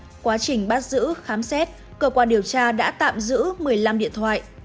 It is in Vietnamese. trong quá trình bắt giữ khám xét cơ quan điều tra đã tạm giữ một mươi năm điện thoại